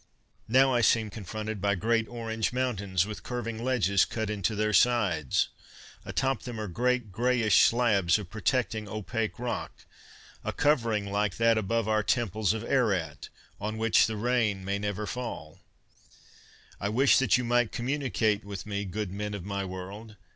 Now I seem confronted by great orange mountains with curving ledges cut into their sides. Atop them are great, greyish slabs of protecting opaque rock a covering like that above our Temples of Aerat 'on which the rain may never fall.' I wish that you might communicate with me, good men of my world.